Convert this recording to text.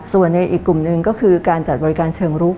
ส่วนในอีกกลุ่มหนึ่งก็คือการจัดบริการเชิงรุก